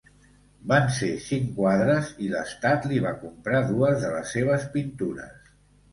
Van ser cinc quadres i l'estat li va comprar dues de les seves pintures.